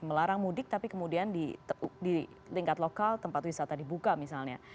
melarang mudik tapi kemudian di tingkat lokal tempat wisata dibuka misalnya